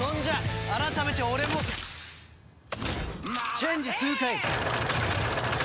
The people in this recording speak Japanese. チェンジ痛快！